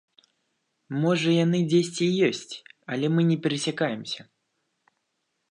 Можа яны дзесьці і ёсць, але мы не перасякаемся.